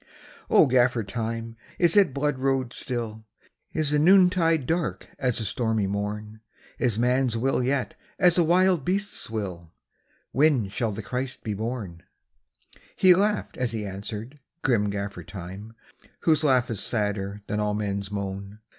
O Gaffer Time, is it blood road still? Is the noontide dark as the stormy morn? Is man s will yet as a wild beast s will? When shall the Christ be born? " He laughed as he answered, grim Gaffer Time, Whose laugh is sadder than all men s moan.